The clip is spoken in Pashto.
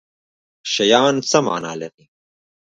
شیان څه معنی لري